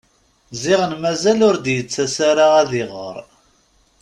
Ziɣen mazal ur d-t-yettas ara ad iɣer.